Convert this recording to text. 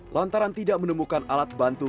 lantaran tidak menemukan alat bantu